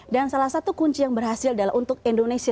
dan salah satu kunci yang berhasil adalah untuk indonesia